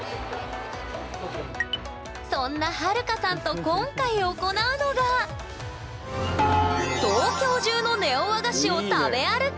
そんなハルカさんと今回行うのが東京中のネオ和菓子を食べ歩き！